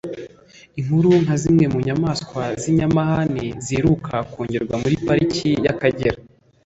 Inkura nka zimwe mu nyamaswa z’inyamahane ziheruka kongerwa muri Pariki y’Akagera